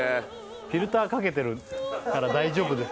フィルターかけてるから大丈夫です。